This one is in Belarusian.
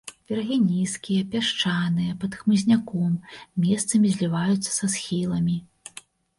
Берагі нізкія, пясчаныя, пад хмызняком, месцамі зліваюцца са схіламі.